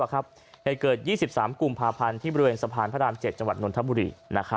เหตุเกิด๒๓กุมภาพันธ์ที่บริเวณสะพานพระราม๗จังหวัดนทบุรี